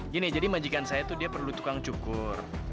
gini jadi majikan saya itu dia perlu tukang cukur